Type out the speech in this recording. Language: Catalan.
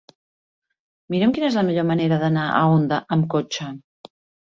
Mira'm quina és la millor manera d'anar a Onda amb cotxe.